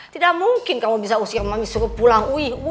tidak mungkin kamu bisa usir mami suruh pulang ui